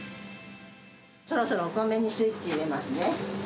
そろそろお米にスイッチ入れますね。